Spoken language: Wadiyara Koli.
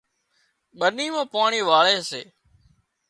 ٻني مان پاڻي واۯي سي